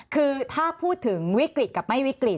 คือถ้าพูดถึงวิกฤตกับไม่วิกฤต